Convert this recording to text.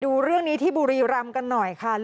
ดูเรื่องนี้ที่บุรีรำกันหน่อยค่ะ